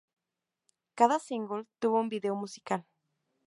Cada single tuvo un video musical.